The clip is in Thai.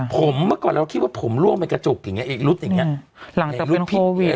ผมเมื่อก่อนเราก็คิดว่าผมร่วงเปลี่ยนลูกอย่างนี้เอกรุดอย่างนี้